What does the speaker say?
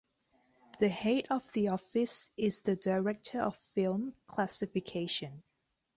The head of the office is the Director of Film Classification.